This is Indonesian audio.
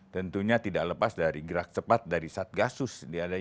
tentunya tidak lepas dari gerak cepat dari satgasus